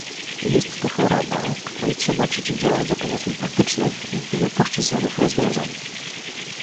Jest to choroba, której trzeba przeciwdziałać za pomocą praktycznych, wielopłaszczyznowych rozwiązań